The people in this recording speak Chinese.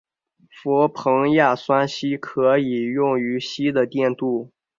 氟硼酸亚锡可以用于锡的电镀。